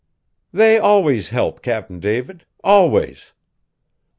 "They always help, Cap'n David, always!"